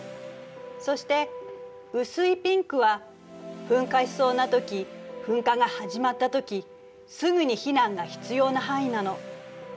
そして薄いピンクは噴火しそうなとき噴火が始まったときすぐに避難が必要な範囲なの。